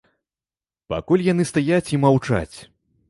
Пакуль яны стаяць і маўчаць.